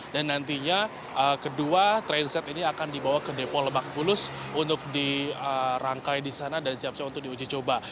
dan nantinya kedua train set ini akan dibawa ke depo lebak bulus untuk dirangkai di sana dan siap siap untuk diuji coba